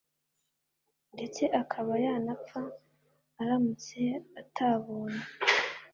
ndetse akaba yanapfa, aramutse atabonye